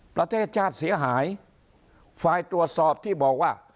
ประเทศชาติเสียหายฝ่ายตรวจสอบที่บอกว่า